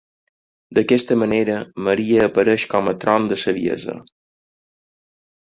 D'aquesta manera, Maria apareix com a Tron de Saviesa.